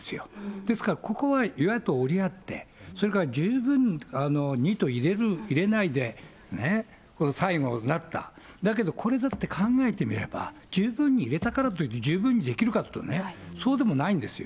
ですから、ここは与野党折り合って、それから十分にと入れる、入れないで、ね、この最後なった、だけど、これだって考えてみれば、十分に入れたからといって十分にできるかというと、そうでもないんですよ。